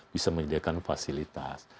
bisa menyediakan fasilitas